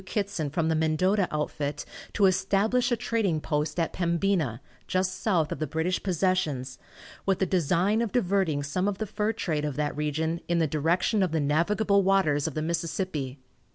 Kittson from the Mendota outfit to establish a trading post at Pembina, just south of the British possessions, with the design of diverting some of the fur trade of that region in the direction of the navigable waters of the Mississippi.